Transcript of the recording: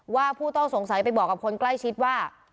ผู้ต้องสงสัยไปบอกกับคนใกล้ชิดว่า